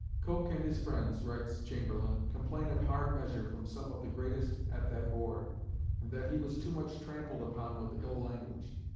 "Coke and his friends," writes Chamberlain, "complain of hard measure from some of the greatest at that board, and that he was too much trampled upon with ill language.